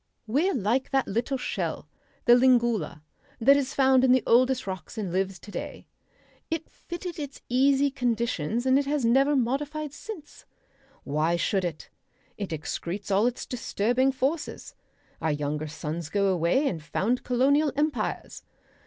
We're like that little shell the Lingula, that is found in the oldest rocks and lives to day: it fitted its easy conditions, and it has never modified since. Why should it? It excretes all its disturbing forces. Our younger sons go away and found colonial empires.